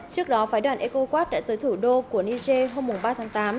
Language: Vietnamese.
trước đó phái đoàn ecowas đã tới thủ đô của niger hôm ba tháng tám